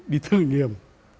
đi thử nghiệm